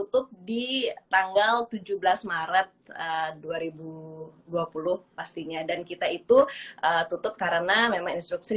tutup di tanggal tujuh belas maret dua ribu dua puluh pastinya dan kita itu tutup karena memang instruksi